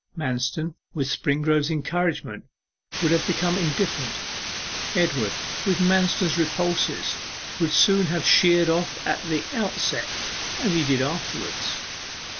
Manston with Springrove's encouragement would have become indifferent. Edward with Manston's repulses would have sheered off at the outset, as he did afterwards.